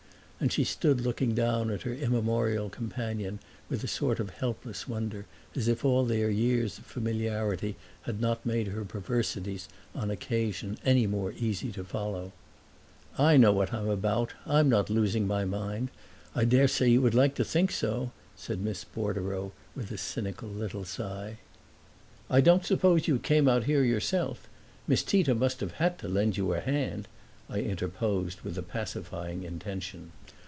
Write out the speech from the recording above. And she stood looking down at her immemorial companion with a sort of helpless wonder, as if all their years of familiarity had not made her perversities, on occasion, any more easy to follow. "I know what I'm about. I'm not losing my mind. I daresay you would like to think so," said Miss Bordereau with a cynical little sigh. "I don't suppose you came out here yourself. Miss Tita must have had to lend you a hand," I interposed with a pacifying intention.